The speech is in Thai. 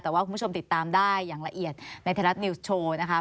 แต่ว่าคุณผู้ชมติดตามได้อย่างละเอียดในไทยรัฐนิวส์โชว์นะคะ